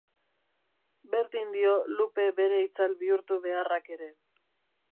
Berdin dio Lupe bere itzal bihurtu beharrak ere.